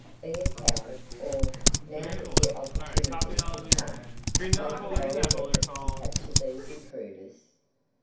Be a coward, or, now that the opportunity had come, make a bold effort to capture these intruders?